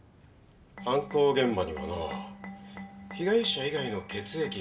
犯行現場にはな被害者以外の血液が残ってたんだ。